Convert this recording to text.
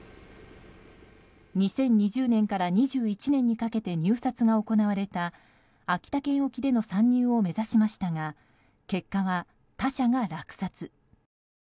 ２０２０年から２１年にかけて入札が行われた秋田県沖での参入を目指しましたが結果は他社が落札。